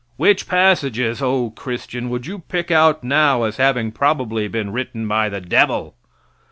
Which passages, O Christian, would you pick out now as having probably been written by the devil?